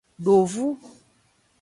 Dovu.